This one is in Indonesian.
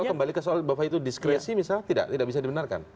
kalau kembali ke soal bahwa itu diskresi misalnya tidak bisa dibenarkan